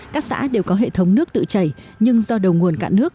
các xã đều có hệ thống nước tự chảy nhưng do đầu nguồn cạn nước